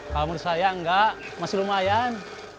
kalau menurut saya enggak masih lumayan